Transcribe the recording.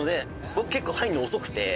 僕結構入るの遅くて。